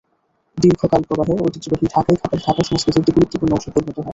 দীর্ঘ কালপ্রবাহে ঐতিহ্যবাহী ঢাকাই খাবার ঢাকার সংস্কৃতির একটি গুরুত্বপূর্ণ অংশে পরিণত হয়।